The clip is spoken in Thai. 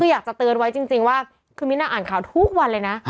อยากจะเตือนไว้จริงว่าคือมิ้นน่าอ่านข่าวทุกวันเลยนะ